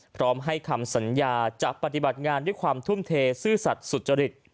พร้อมให้คำสัญญาจะปฏิบัติงานด้วยความทุ่มเทซื่อสัตว์สุจริต